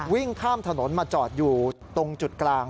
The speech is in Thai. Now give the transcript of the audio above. วิ่งข้ามถนนมาจอดอยู่ตรงจุดกลาง